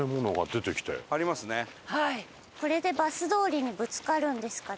これでバス通りにぶつかるんですかね？